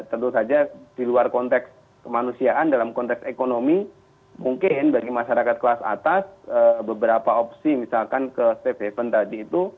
tentu saja di luar konteks kemanusiaan dalam konteks ekonomi mungkin bagi masyarakat kelas atas beberapa opsi misalkan ke safe haven tadi itu